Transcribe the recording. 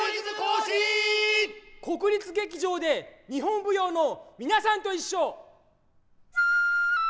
国立劇場で日本舞踊のみなさんといっしょ。